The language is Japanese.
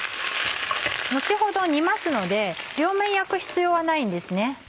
後ほど煮ますので両面焼く必要はないんですね。